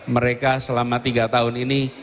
mereka selama tiga tahun ini